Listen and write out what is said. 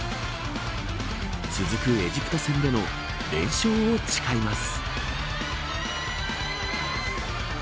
続くエジプト戦での連勝を誓います。